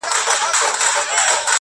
له غرونو واوښتم، خو وږي نس ته ودرېدم .